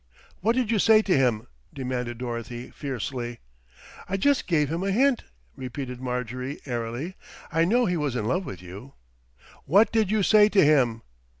"What did you say to him?" demanded Dorothy fiercely. "I just gave him a hint," repeated Marjorie airily. "I knew he was in love with you." "What did you say to him?"